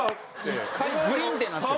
１回グリンってなってる。